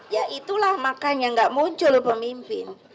ya itulah makanya nggak muncul pemimpin